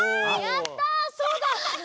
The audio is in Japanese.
やったそうだ！